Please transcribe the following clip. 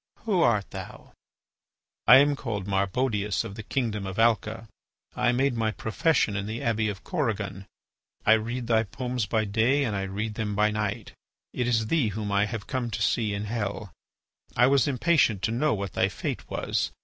Who art thou?" "I am called Marbodius of the Kingdom of Alca. I made my profession in the Abbey of Corrigan. I read thy poems by day and I read them by night. It is thee whom I have come to see in Hell; I was impatient to know what thy fate was.